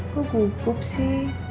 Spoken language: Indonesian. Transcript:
kok gugup sih